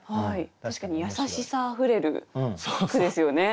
確かに優しさあふれる句ですよね。